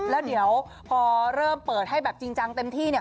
แล้วเดี๋ยวพอเริ่มเปิดให้แบบจริงจังเต็มที่เนี่ย